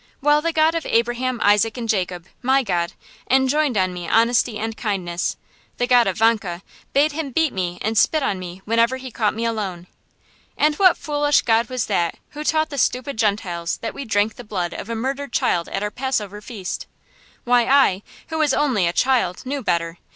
While the God of Abraham, Isaac, and Jacob my God enjoined on me honesty and kindness, the god of Vanka bade him beat me and spit on me whenever he caught me alone. And what a foolish god was that who taught the stupid Gentiles that we drank the blood of a murdered child at our Passover feast! Why, I, who was only a child, knew better.